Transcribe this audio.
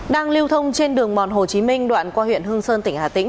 đang lưu thông trên đường mòn hồ chí minh đoạn qua huyện hương sơn tỉnh hà tĩnh